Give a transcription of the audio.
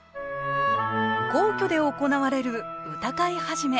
皇居で行われる歌会始。